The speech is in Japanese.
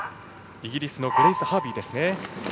イギリスのグレイス・ハービーですね。